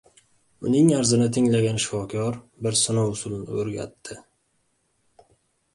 Uning arzini tinglagan shifokor bir sinov usulini oʻrgatdi: